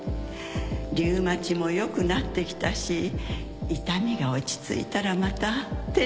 リウマチも良くなってきたし痛みが落ち着いたらまたテニスを始めてもいいかしら？